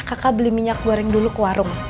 kakak beli minyak goreng dulu ke warung